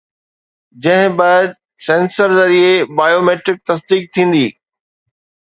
جنهن بعد سينسر ذريعي بايو ميٽرڪ تصديق ٿيندي